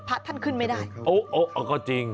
พระท่านขึ้นไม่ได้โอ๊ะเอาก็จริง